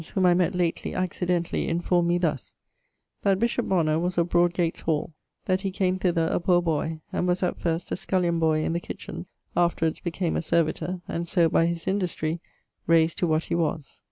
whom I mett lately accidentally, informed me thus: that bishop Bonner was of Broadgates hall; that he came thither a poor boy, and was at first a skullion boy in the kitchin, afterwards became a servitor, and so by his industry raysed to what he was.